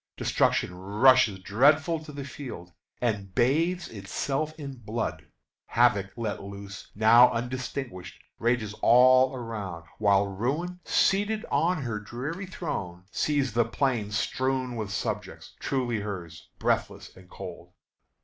Destruction rushes dreadful to the field And bathes itself in blood: havoc let loose, Now undistinguish'd, rages all around; While Ruin, seated on her dreary throne, Sees the plain strewed with subjects, truly hers, Breathless and cold."